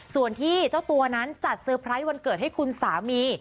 ส่วนที่เจ้าตัวนั้นจัดเตอร์ไพรส์วันเกิดให้คุณสามี